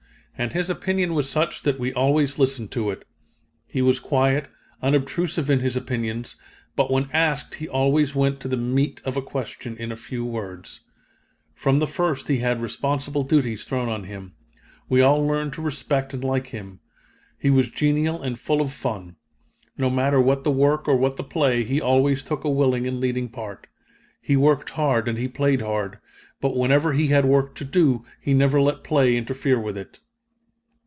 and his opinion was such that we always listened to it. He was quiet, unobtrusive in his opinions, but when asked he always went to the meat of a question in a few words. From the first he had responsible duties thrown on him. We all learned to respect and like him. He was genial and full of fun. No matter what the work or what the play, he always took a willing and leading part. He worked hard and he played hard; but whenever he had work to do, he never let play interfere with it."